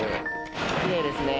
きれいですね。